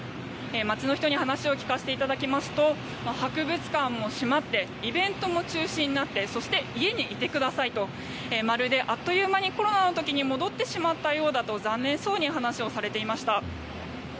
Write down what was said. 街の人に話を聞かせていただきますと博物館も閉まってイベントも中止になってそして家にいてくださいとまるで、あっという間にコロナの時に戻ってしまったようだと残念だと話をされていました。